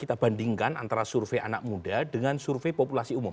kita bandingkan antara survei anak muda dengan survei populasi umum